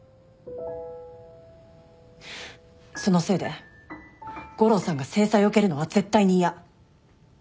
そのせいで悟郎さんが制裁を受けるのは絶対に嫌。